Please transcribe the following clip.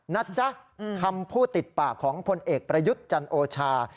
นะจ๊ะคำพูดติดปากของพลเอกประยุทธ์จันโอชา